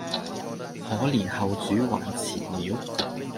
可憐後主還祠廟，